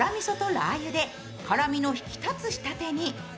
ラー油で、辛みの引き立つ仕立てに。